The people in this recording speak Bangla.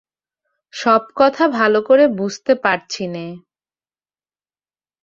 সব কথা ভালো করে বুঝতে পারছি নে।